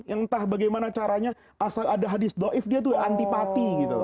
entah bagaimana caranya asal ada hadis do'if dia itu antipati